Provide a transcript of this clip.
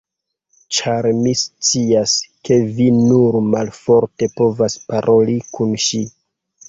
Ĉar mi scias, ke vi nur malofte povas paroli kun ŝi!